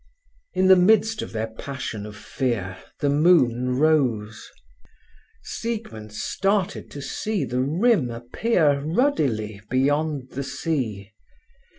In the midst of their passion of fear the moon rose. Siegmund started to see the rim appear ruddily beyond the sea.